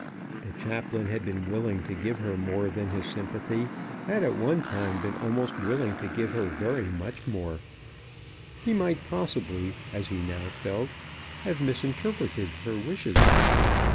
The Chaplain had been willing to give her more than his sympathy, had at one time been almost willing to give her very much more. He might possibly, as he now felt, have misinterpreted her wishes.